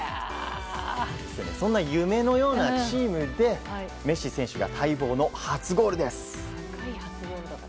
そんな夢のようなチームでメッシ選手が待望の初ゴールです。